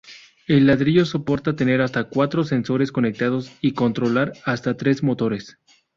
El ladrillo soporta tener hasta cuatro sensores conectados y controlar hasta tres motores.